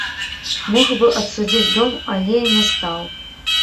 Мог бы адсудзіць дом, але не стаў.